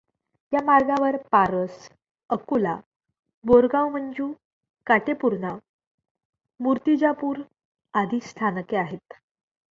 या मार्गावर पारस, अकोला, बोरगाव मंजू, काटेपूर्णा, मूर्तिजापूर आदी स्थानके आहेत.